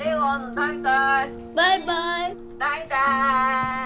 バイバーイ。